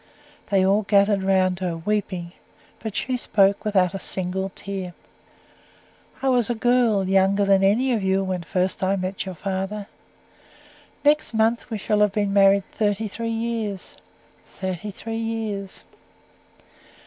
They all gathered round her weeping; but she spoke without single tear. "I was a girl, younger than any of you, when first I met your father. Next month we shall have been married thirty three years. Thirty three years."